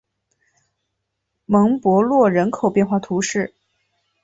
蒙博洛人口变化图示